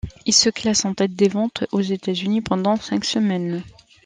Il se classe en tête des ventes aux États-Unis pendant cinq semaines.